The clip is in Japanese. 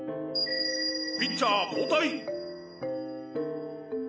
ピッチャー交代！